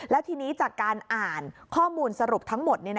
แล้วทีนี้จากการอ่านข้อมูลสรุปทั้งหมด